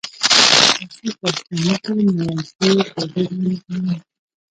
تر څو چې آشنا نه شې له دې پردې رمز نه اورې.